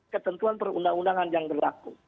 ketentuan perundang undangan yang berlaku